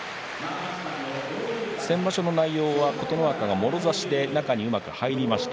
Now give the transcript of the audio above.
先場所の内容は琴ノ若がもろ差しで中にうまく入りました。